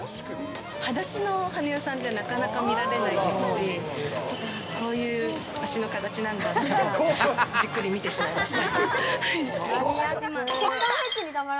はだしの羽生さん、なかなか見られないですし、あー、こういう足の形なんだとか、じっくり見てしまいました。